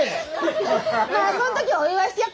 まあそん時はお祝いしてやっからさ。